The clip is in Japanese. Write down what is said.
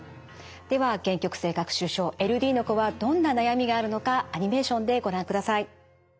では限局性学習症ＬＤの子はどんな悩みがあるのかアニメーションでご覧ください。